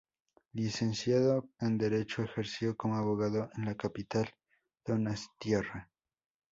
Licenciado en Derecho, ejerció como abogado en la capital donostiarra.